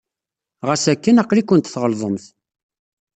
Ɣas akken, aql-ikent tɣelḍemt.